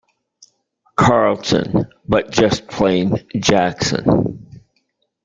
Carleton, but just plain Jackson.